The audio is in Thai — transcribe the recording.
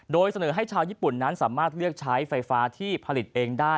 โดยเสนอให้ชาวญี่ปุ่นนั้นสามารถเลือกใช้ไฟฟ้าที่ผลิตเองได้